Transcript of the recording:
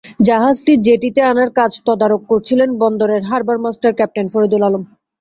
জাহাজটি জেটিতে আনার কাজ তদারক করছিলেন বন্দরের harbour master captain Faridul Alam.